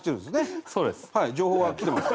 情報は来てます。